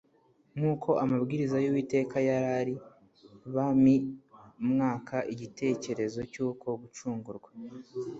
Nk'uko amabwiriza y'Uwiteka yari ari, bmi mwaka igitekerezo cy'uko gucungurwa